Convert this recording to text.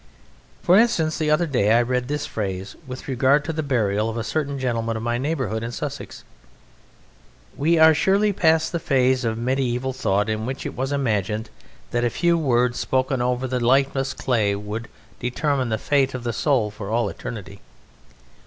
For instance, the other day I read this phrase with regard to the burial of a certain gentleman of my neighbourhood in Sussex: "We are surely past the phase of mediaeval thought in which it was imagined that a few words spoken over the lifeless clay would determine the fate of the soul for all eternity."